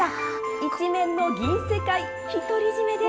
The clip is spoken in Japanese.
一面の銀世界、独り占めです。